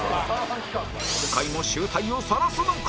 今回も醜態をさらすのか？